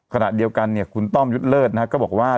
ขณะเดียวกันคุณต้อมยุทธ์เลิศก็บอกว่า